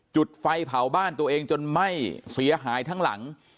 จุดไฟเผาบ้านตัวเองจนไหม้เสียหายทั้งหลัง